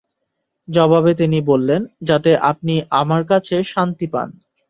জবাবে তিনি বললেন, যাতে আপনি আমার কাছে শান্তি পান।